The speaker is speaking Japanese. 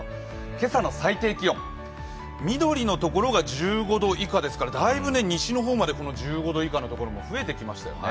今朝の最低気温、緑のところが１０度以下ですからだいぶ西の方まで１５度以下のところも増えてきましたよね。